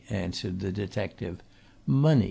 answered the detective. "Money!